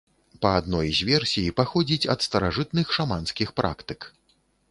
Па адной з версій, паходзіць ад старажытных шаманскіх практык.